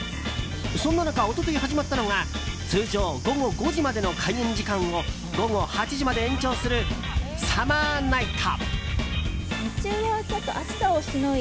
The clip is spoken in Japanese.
そんな中、一昨日始まったのが通常午後５時までの開園時間を午後８時まで延長するサマーナイト。